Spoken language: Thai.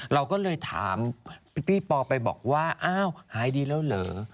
เราก็เลยถามพี่ปอไปบอกว่าอ้าวหายดีแล้วเหรอ